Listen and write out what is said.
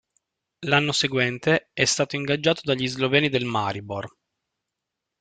L'anno seguente, è stato ingaggiato dagli sloveni del Maribor.